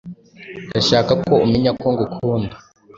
Ndashaka ko umenya ko ngukunda.